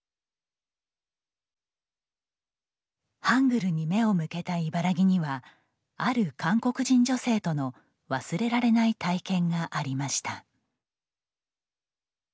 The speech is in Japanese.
ハングルに目を向けた茨木にはある韓国人女性との忘れられない体験がありました。